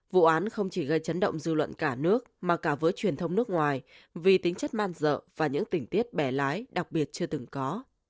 vụ án không chỉ gây chấn động dư luận cả nước mà cả với truyền thông nước ngoài vì tính chất man dợ và những tình tiết bẻ lái đặc biệt chưa từng có